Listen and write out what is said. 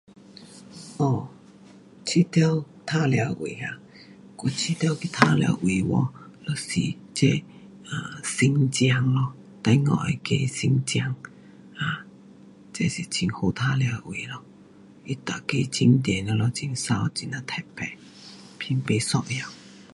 哦，觉得玩耍位啊，我觉得去玩耍位有哦，就是这，啊，新疆咯，中国那个新疆，啊，这是很好玩耍的位咯，它每个景点全部很美，很呀特别，很不一样